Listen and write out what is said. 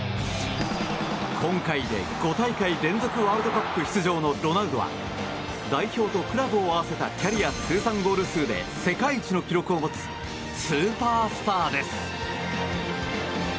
今回で５大会連続ワールドカップ出場のロナウドは代表とクラブを合わせたキャリア通算ゴール数で世界一の記録を持つスーパースターです。